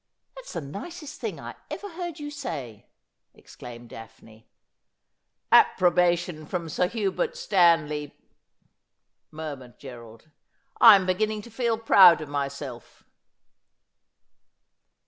' That's the nicest thing I ever heard you say,' exclaimed Daphne. ' Approbation from Sir Hubert Stanley murmured Gerald ;' I am beginning to feel proud of myself.'